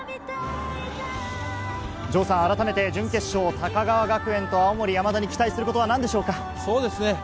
城さん、改めて準決勝、高川学園と青森山田に期待することはなんでしょうか。